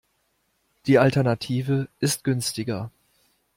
Die Alternative ist günstiger.